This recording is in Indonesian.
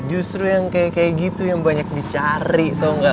justru yang kayak gitu yang banyak dicari tau gak